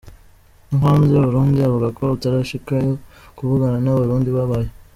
No hanze y'Uburundi uvuga ko utarashikayo kuvugana n'abarundi babayo.